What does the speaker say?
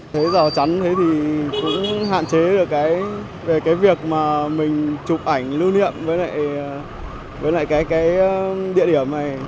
thế giò chắn thì cũng hạn chế được cái việc mà mình chụp ảnh lưu niệm với lại cái địa điểm này